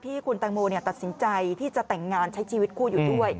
ที่คุณแตงโมตัดสินใจที่จะแต่งงานใช้ชีวิตคู่อยู่ด้วย